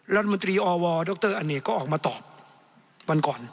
รัฐมนตรีอวดรอเนกก็ออกมาตอบวันก่อน